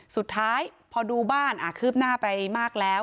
สุดท้ายพอดูบ้านคืบหน้าไปมากแล้ว